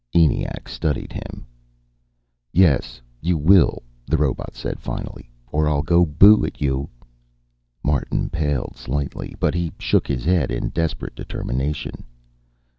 ENIAC studied him. "Yes, you will," the robot said finally, "or I'll go boo at you." Martin paled slightly, but he shook his head in desperate determination.